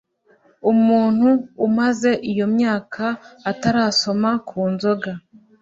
umuntu umaze iyo myaka atarasoma ku nzoga.